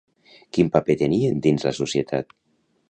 Quin paper tenien dins la societat?